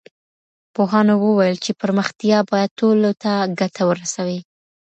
پوهانو وويل چي پرمختيا بايد ټولو ته ګټه ورسوي.